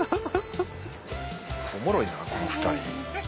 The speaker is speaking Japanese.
おもろいなこの２人。